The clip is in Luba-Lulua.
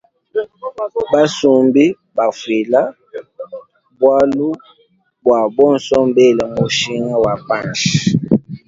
Basumbi mbafwila bwalubwa bonso mbela mushinga wa panshi.